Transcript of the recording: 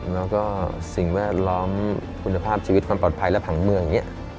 แล้วก็สิ่งแวดล้อมคุณภาพชีวิตความปลอดภัยและผังเมืองอย่างนี้